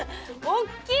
大きい！